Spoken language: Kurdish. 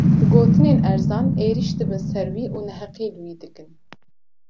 Bi gotinên erzan, êrîş dibin ser wî û neheqî li wî dikin